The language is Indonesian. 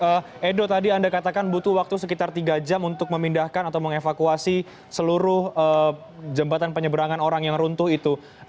edo tadi anda katakan butuh waktu sekitar tiga jam untuk memindahkan atau mengevakuasi seluruh jembatan penyeberangan orang yang runtuh itu